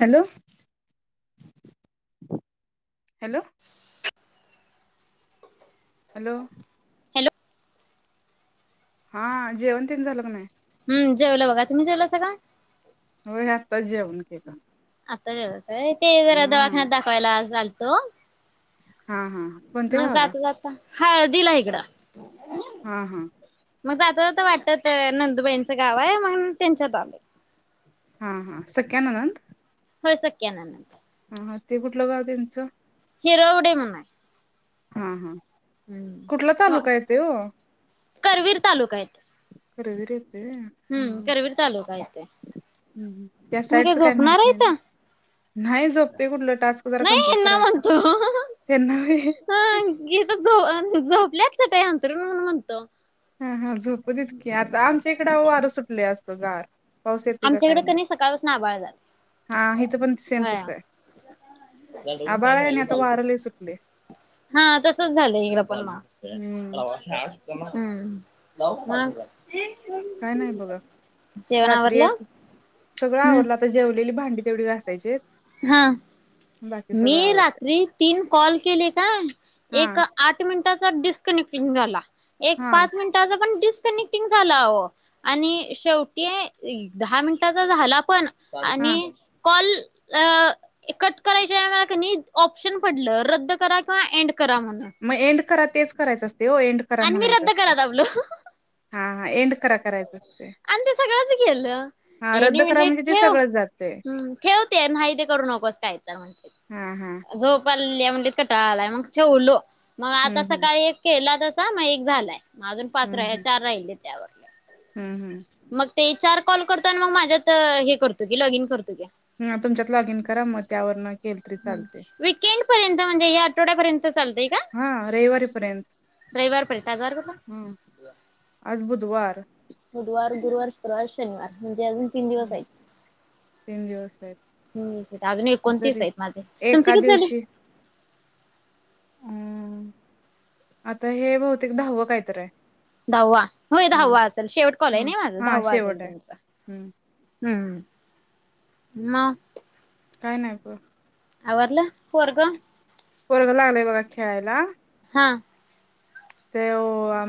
Hello hello hello hello हा जेवण तेन झालं का नाही. हम जेवलो बघा तुम्ही जेवलासा काय? होय आताचं जेवन केलं. आता जेवलासा व्हय ते जरा हा दवाखान्यात दाखवायला चाललोतो. तो अ हा हा कोणत्या मग गावाला जाता जाता हळदीला इकड हा हा मग जात सहज वाटत नंदुबाईंचं गाव हाय मग त्यांच्यात आलोय. हा हां सख्या ननंद होय सख्याननंद हा हा ते कुठलं गाव तेनच? हिरवडे म्हणून हाय. हा हा कुठला हम्म मग तालुका येतोय ओ? करवीर तालुका येतोय. करवीर ये हम्म करवीर तालुका येतोय. हम्म त्या तुम्ही काय साईडचं माहित झोपणार हाय नाही इथ. ना नाही झोपतोय कुठलं टास्क जरा नाही कंप्लीट हेंना करायचं म्हणतोय त्यांना व्हय ओ इथं झो अ झोपल्यात. चटई अंथरूण म्हणून म्हणतो. हा हा झोप. झोपू देत की आता आमच्या इकड अहो वारं सुटलय आज. पगार पाऊस येतोय का काय आमच्याकडे माहीत कणी सकाळपासून आभाळ झालंय. हा हिथं पण सेम तस होय आहे आबाळ हाय आणि आता वार लई सुटलय. हा तसच झालंय इकडं पण म हम्म अं म काय नाही बघा जेवण रात्री आवरलं? याकी सगळं हम्म. आवरल आता जेवलेली भांडी तेवढी घासायची हाईत. हा मी आवरलंय रात्री तीन कॉल केले काय? हा एक आठ मिनट टाचा डिस्ककनेक्टिंग झाला. एक हा पाच मिनिटाचा पण डिस कनेक्टिंग झाला आहो आणि शेवटी ए दहा मिनटाचा झाला पण हा आणि कॉल अ ए कट करायच्या वेळा कनी ऑप्शन पडलं रद्द करा किंवा एंड करा म्हन. मग एंड करा तेच करायच अस त्यो एंड खरा म्हणायच असतय करा दाबलो. हा हा एंड करा करायचं असते आणि ते सगळंच गेल. हा रद्द हेनी करा म्हणले म्हणजे ते ठेव सगळंच जातंय ह ठेव ते नाही ते करू नकोस. काय तर हा हा म्हणतेत झोप आलेल्या म्हणलीत. कटाळा आलाय मग ठेवलो. मग आता हम्म हम्म सकाळी एक केला तस अता म एक झालाय. अजून पाच राहाय हम्म चार राहिलेत. हम्म हम्म ते चार कॉल करतो अन मग माझ्यात हे करतो की लॉग इन करतो की. ह्म्म तुमच्यात लॉग इन करा मग त्यावरन ह्म्म वीकेंड पर्यंत म्हणजे या आठवड्यापर्यंत चालतय का? हा रविवारीपर्यंत रविवार पर्यंत आज वार कुठला? हम्म आज बुधवार बुधवार, गुरुवार, शुक्रवार, शनिवार अजून तीन हं, दिवस आहेत तीन दिवस आहेत अजून एकोणतीस जरी आहेत माझे तुमचे एका किती झाली? दिवशी अम् आता हे बहुतेक दहावं कायतर आहे दहावा होय हा दहावा असेल शेवट कॉल हम्म नई माझा हा दहावा शेवट असेल आहे तुमचा हम्म हम्म म काय नाय ग आवरल? पोरग पोरग लागलंय बघा खेळायला हा - तेव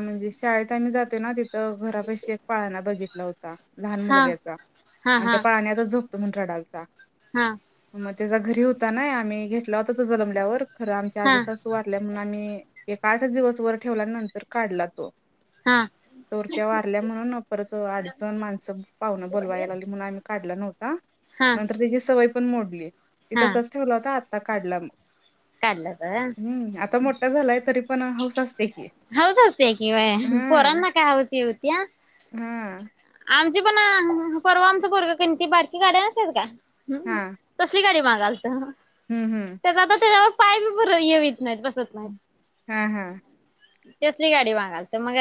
म्हणजी शाळेत आम्ही जातोयना तिथं घरापशी एक पाळणा बघितला होता - लहान हा मुलग्याचा हा हा अन त्या पाळन्यातच झोप कामून रडलता हा म त्याचा घरी होता नाय आम्ही घेतला होता तो जलममल्यावर खरं आमच्या हा आजसासू वारल्या म्हणून आम्ही एक आठच दिवस वर ठेवल्यानंतर काढला तो हा तवर त्या वारल्या म्हणून परत अडीच जण माणसं पाहुण बोलवाय यायला लागली म्हणून आम्ही काढला नव्हता हा नंतर त्याची सवय पण मोडली ती हा तसाच ठेवला होता आत आता काढला म काढलाच हम्म आता मोठा झालाय तरी पण हौस असती हौस असते की बया हां, पोरांना का हौस हे होतिया हां, आमची पण परवा आमचं पोरग कनाई बारकी गाडी असत्यात का हम हां. तसली गाडी माग चालत ह हं, त्याचा त त्याच्यावर पाय बी भरून येईल हा हा तसली गाडी मागालत मग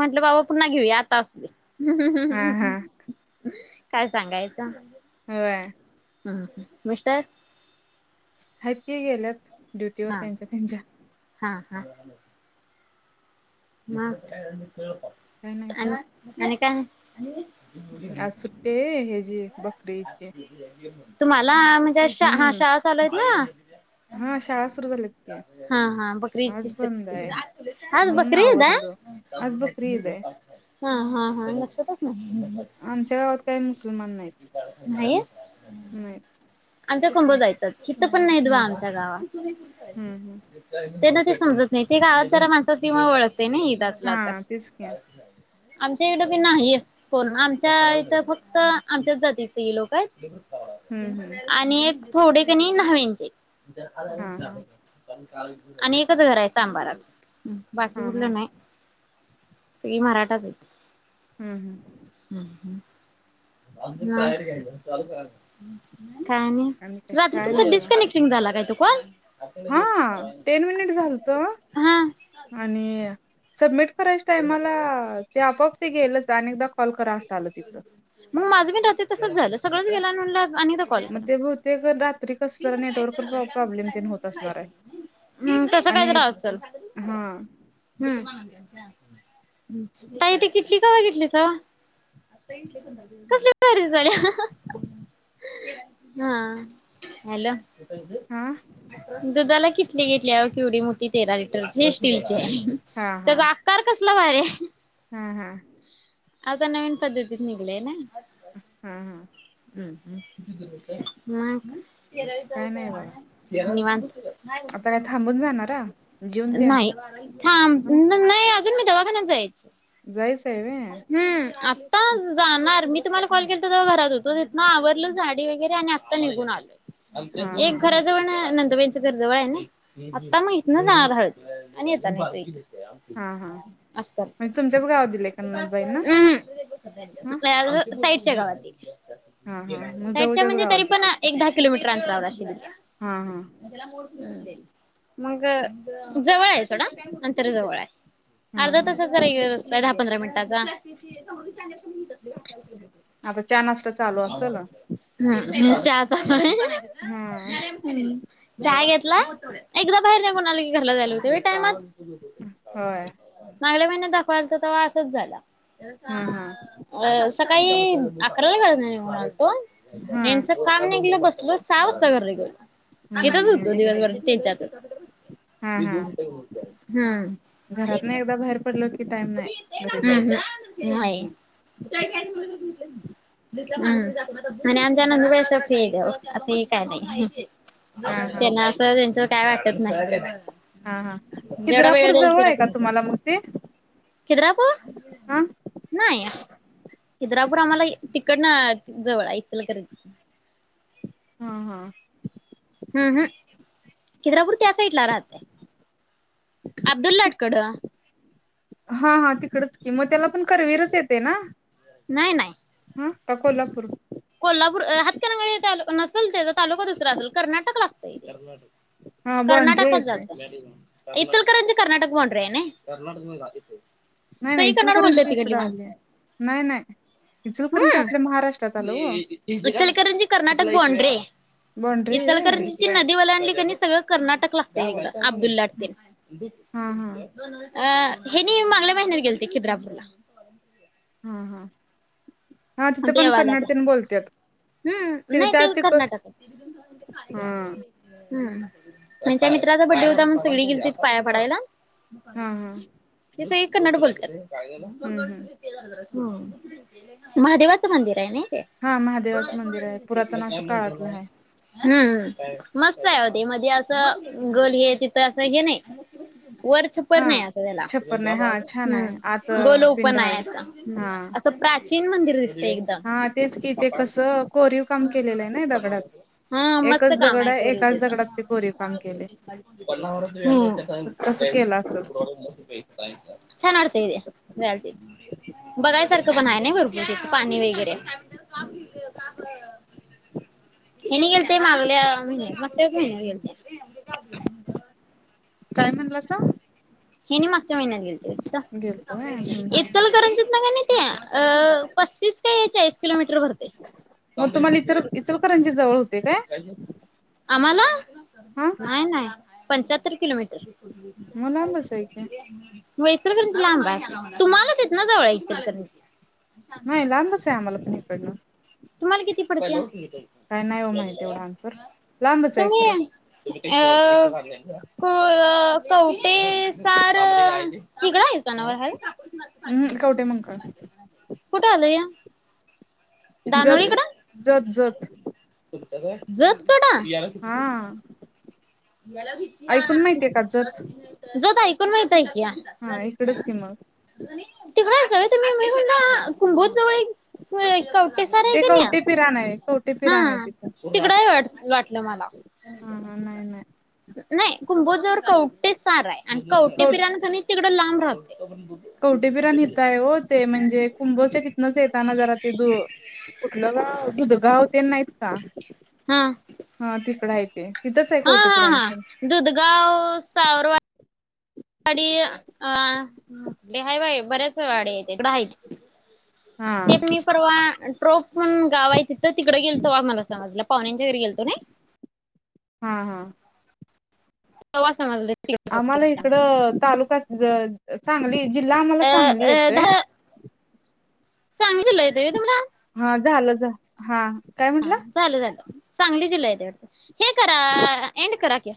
म्हटलं बाबा पुन्हा घेऊया आता असुदे हम्म, हम्म, हम्म, हां, हां. हम्म काय सांगायचं? होय हम -मिस्टर आहेत की गेल्यात? ड्युटी वर हा त्यांच्या त्यांच्या हा हा म काय नाही बघा. आणि आणि काय आणि आज सुट्टी आहे हेजी बकरी ईद ची तुम्हाला आ ज शा हा शाळा चालू आहेत ना, हां, शाळा सुरू झाल्यात की. हा हा बकरी ईद ची आज बंद सुट्टी आहे हा म्हणून बकरी क्रीदा आवरलं. आज बकरी ईद आहे. हा हा हा लक्षातच नाही आमच्या गावात काय मुसल मान नाहीत. नाही आहेत नाही आमच्या कुंभ जायतात इथं पण नाही द्वा आमच्या गावा हं, हं. त्यांना ते समजत नाही ते गावात जरा माणसां सीवाओळख ते नाही दसला तर हां, तेच की. आमच्या इडं बी नाही कोण आमच्या इथं फक्त आमच्याच जातीचे हे लोक आहेत हं, हं. आणि एक थोडे कणी नाहींचे हां, हां. [unintelligible] आणि एकच घरायचं अंबाराच बाकी हां, हां. कुठलं नाय? सगळी मराठाच आहेत. हम्म हम्म हम्म हम्म [unintelligible] घ्यायचा चालू करा काय आणि काय? रात्री काय तुमचा नाही बघा. डिस्कनेक्टिंग झाला काय तो कोण हा टेन मिनिट झालतं हा आणि सबमिट करायच टायमाला ते आपोआप ती गेलच आणि दक मग माझं बीन रात्री तसच झालं सगळं गेला नून लाग आणि एकदा कॉल मग करा ते बहुतेक रात्री कसं जरा नेटवर्क प्रॉब्लेम तेन होत असणार आहे. मी केला, तसं आणि कायतरा असेल हा हम् ताई ती किटली कवा घेतलीसा? कसली तयारी चालल्या हं, हं, हां हॅलो [unintelligible] हा अठरा दुधाला किटली घेतल्या ओ केवढी मोठी तेरा लिटरची त्याचीय हा हा त्याचा आकार कस म भारीय हा, हा आता नवीन पद्धतीत निघलय नाय हा, हा हु, हु मग तेला काय विचारत नाही बघा आहे तेरा निवांत आता काय ह थांबून जाणारा जेऊन [unintelligible] तेन नाही थांब नाय अ अजुन मी दवाखान्यात जाय जायचयं वयं? हम्म आत्ता जाण णार [unintelligible] मी तुम्हाला कॉल केलतो तेव्हा घरात होतो तिथंन आवरल साडी वगैरे आणि आत्ता निघून आलो. हा हा एक घरा जवळंण न तुबईच घर जवळयनै आत्ता म हितं जाणार हळु आणि येताना येतो हित ह, हा म्हणजे तुमच्याच गावात दिलय का नणंदबाई उ हु नाय अजून साएड त्या गावात हा दिलेय हा मग साईडच्या जवळच्याच म्हणजे गावात तरी पण दिलंय की एक दहा किलोमीटर [unintelligible] हा, हा मंगअ जवळयं सोडा अतंर जवळयं हा अर्धा हा तासाचा हिकडं रस्ताय दहा पंधरा मिनटाचा [unintelligible] आता चा नाष्टा चालू असलं? चहा चालूय हम्म चहा घेतला? एकदा बाहेर निघून आलं की घरला जायला होतय वय टायमात होय मागल्या महिन्या दाखवायला आलतो तवा आसच झाला. [inaudible] हा हा सकाळी अकराला घरातनं निघून आलो काय हा ह्यांचं काम निघलं बस [unintelligible] सहा वाजता घरला [unintelligible] इथच हम्म होतो एक दिवसभर तीन चार तास हा हा हूं घरात ना एकदा बाहेर पडलो की टाइम नाही घरी हूं जायला हूं नाही आणि आमच्या नंदुबाई [unintelligible] ठीकये असही काय नाही हा हा त्यांना अस त्यांच काय वाटत नाय. हा हा खिद्रापूर जवळ आहे का कमीच तुम्हाला म ते खिद्रापूर हा नाही खिद्रा पण आम्हाला तिकड जवळ आहे इचलकरंजी हां हां हू हू खिद्रापूर त्या साईडला राहतयं हा हा तिकडच की म त्याला पण करवीरच येतय ना? नाही नाही हा का कोल्हापूर कोल्हापूर हातकणंगले तालुका नसल तेझा तालुका दुसरा असेल कर्नाटक लाग पहिल्यार कर्नाटक हा बॉण्ड्री आहे कर्नाटकात इथे जात इचलकरंजी कर्नाटक बाॅडरी आहं नाय नाही नाही इचलकरंची इकडे आलीये नाय नाय इचलकरंची हम्म. आपल्या महाराष्ट्रात [inaudible] आलं हो इचलकरंजी कर्नाटक बॉण्ड्री बॉण्ड्री आहे व्हय इचलकरंजी ची नदी वलडली कणी सगळं कर्नाटक लागतय एकदा अब्दुललाट तेन हा हा अ हेणी मागल्या महिन्यात गेलते खिद्रापूरला हा हा हा तिथं पण कन्नड तेन बोलत्यात हूं नाही त्या ते तिक हा कर्नाटकच हूं हा ह‌् ह्यांच्या मित्राचा बडडे होता म्हणून सगळी गेलतीत पाया पडायला. हा हम्म [unintelligible] ती संगळी कन्नड बोलत्यात. हम्म [unintelligible] ह‌् महादेवाचं मंदिर हाय नी हा माही आहे ह‌् मस्त आहे वो ते मधी असं गल हे तिथं असं हे नाही वर छप्पर हा नाही असं त्याला छप्पर नाही हा छान आहे आत ह‌् गोल पिंड ओपन आहे हाय हा असं तीन मंदिर दिसतेय एकदम हा तेच कि ते कसं कोरीव काम केलेलं आहे ना दगडात हा मस्त एकच काम दगड आहे कोरीव एकाच त्याच दगडात ते हम्म कोरीव काम केले कसं केलं असेल छान वाटतंय ते जायला तेंन बघायसारखं पण हाय नाई भरपूर पाणी वगैरे कापडीच कापड हेनी गेलते मागल्या म मागच्याच महिन्यात काय म्हणलासा? हेनी माग मागच्या महिन्यात व्हय हम्म गेलते हम्म इचलकरंजीतन कणी ते अ पस्तीस काय चाळीस किलोमीटर भरते. मग तुम्हाला इचल इचलकरंजी जवळ होती. होते काय? आम्हाला हा नाय नाय पंचाहत्तर किलोमीटर मग लांबच आहे की व्हय इचलकरंजी लांब हाय तुम्हाला तीथ न जवळ हाय इचलकरंजी नाही लांबच हाय आम्हाला पण इकडणं. तुम्हाला किती पडतीया? काय नाय ओ माहिती एवढं अंतर लांबच आहे तुम्ही खरं अ क कवटे सार तिकड हाइसा नव्ह राहायाला अह कवटे मंहांकाळ कुठं आलं या जत दानोळीकडं जत जत जत तूड हा ऐकून माहितीये का जत जत ऐक पण तीएका हा इकडच की मग तिकड हायसा व्हय तुम्ही मी कुंभोज जवळ एक कवटेसार हाय ते कने कवटे पिराण आहे कवटे हा पिराण आहे तिथं तिकडं हाय वाटलं मला हा हा नाही नाही नाही कुंभोजावर कवटे सार हाय आणि कवटे पिराण कने तिकडं लांब राहत कवठे पिराण इथं हाय हो ते म्हणजे कुंभश तिथनंच येत ना जरा ते द कुठलं गाव दुध गाव ते नाहीत का? हा तिकडं आहे ते तिथंच आहे कवटे पिराण हा-हा-हा-हा पण दुधगाव सावरवा वाडी अ हय-हाय बाइ बऱ्याच वाडी हाईत तिकडं हाईत. हा ते मी परवा ट्रोकून गाव हाय तिथं तिकडं गेलतो तव्हा आम्हाला समजलं पाहुण्यांच्या घरी गेलतो नइ? हा हा तवा समजलं. आम्हाला पिराण आहे. इकडं तालुका सांगली ज जिल्हा आम्हाला अ सांगली अ येतोय. ध सांगली जिल्हा येतोय व्हय तुम्हाला? हा झालं झा हा! काय हा म्हटलं चालू रहातं. सांगली जिल्हा येतंय वाटतं? हे करा एंड करा. ओके.